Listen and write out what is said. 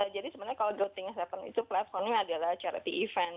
jadi sebenarnya kalau good things happen itu platformnya adalah charity event